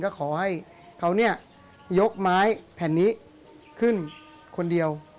ก็ขอให้เขาเนี่ยยกไม้แผ่นนี้ขึ้นคนเดียว